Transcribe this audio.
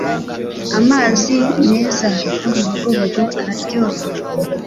Amazi meza y'urubogobogo araryoha